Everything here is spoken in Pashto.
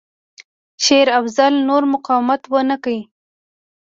شېر افضل نور مقاومت ونه کړ.